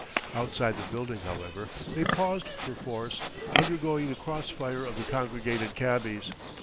Outside the building, however, they paused perforce, undergoing the cross fire of the congregated cabbies.